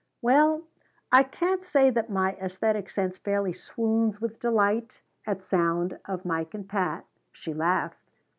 "Well, I can't say that my esthetic sense fairly swoons with delight at sound of Mike and Pat," she laughed.